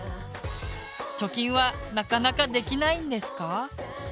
貯金はなかなかできないんですか？